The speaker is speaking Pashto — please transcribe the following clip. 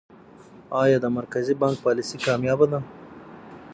آیا د مرکزي بانک پالیسي کامیابه ده؟